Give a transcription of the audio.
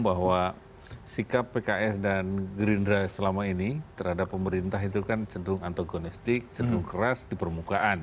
bahwa sikap pks dan gerindra selama ini terhadap pemerintah itu kan cenderung antagonistik cenderung keras di permukaan